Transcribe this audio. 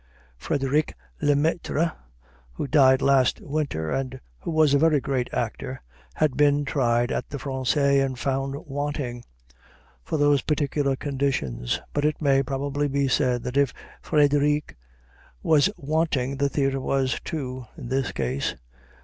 Frédéric Lemaître, who died last winter, and who was a very great actor, had been tried at the Français and found wanting for those particular conditions. But it may probably be said that if Frédéric was wanting, the theater was too, in this case.